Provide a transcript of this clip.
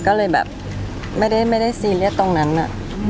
ก็เลยแบบไม่ได้ซีเรียสตรงนั้นน่ะ